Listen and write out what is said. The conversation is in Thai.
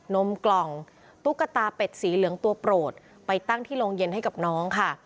นมกล่องตุ๊กตาเป็ดสีเหลืองตัวโปรดไปตั้งที่โรงเย็นให้กับน้องค่ะ